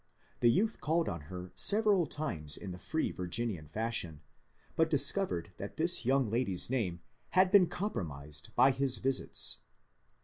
The youth called on her several times in the free Virginian fashion, but discovered that the young lady's name had been compromised by his visits.